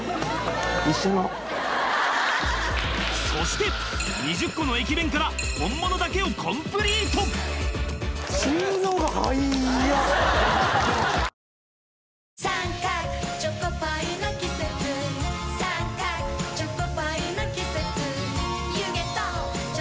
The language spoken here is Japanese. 一緒のそして２０個の駅弁から本物だけをコンプリート大悟デート